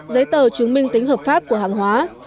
giấy tờ chứng minh tính hợp pháp của hàng hóa